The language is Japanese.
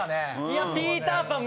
「ピーター・パン」